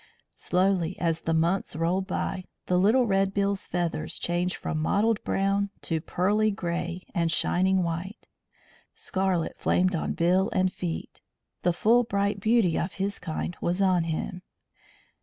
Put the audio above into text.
Slowly, as the months rolled by, the little Red bill's feathers changed from mottled brown to pearly grey and shining white; scarlet flamed on bill and feet. The full bright beauty of his kind was on him.